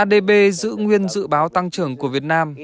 adb giữ nguyên dự báo tăng trưởng của việt nam